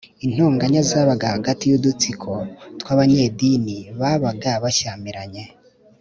intonganya zabaga hagati y’udutsiko tw’abanyedini babaga bashyamiranye